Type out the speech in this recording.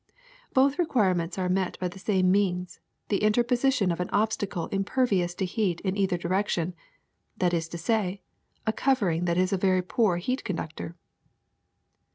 Both requirements are met by the same means, the interposition of an obstacle impervious to heat in either direction; that is to say, a covering that is a very poor heat conductor."